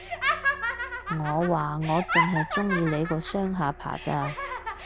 我話，我剩係鍾意你個雙下巴咋